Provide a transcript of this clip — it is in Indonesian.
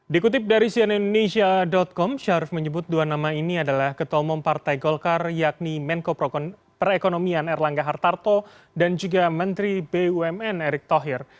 dikutip dari cnn indonesia com syarif menyebut dua nama ini adalah ketua umum partai golkar yakni menko perekonomian erlangga hartarto dan juga menteri bumn erick thohir